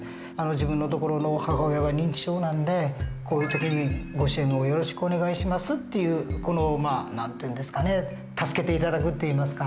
自分のところの母親が認知症なんでこういう時にご支援をよろしくお願いしますっていうこの何て言うんですかね助けて頂くって言いますか。